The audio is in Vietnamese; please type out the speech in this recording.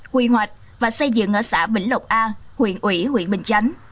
quy hoạch và xây dựng ở xã bình lộc a huyện ủy huyện bình chánh